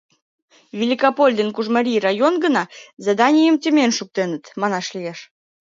Великополь ден Кужмарий район гына заданийым темен шуктеныт, манаш лиеш.